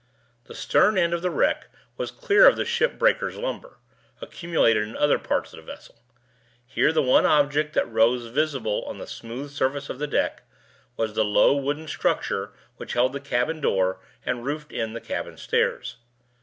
The stern end of the wreck was clear of the ship breakers' lumber, accumulated in the other parts of the vessel. Here, the one object that rose visible on the smooth surface of the deck was the low wooden structure which held the cabin door and roofed in the cabin stairs.